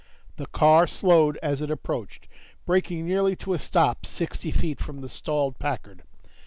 The car slowed as it approached, braking nearly to a stop sixty feet from the stalled Packard.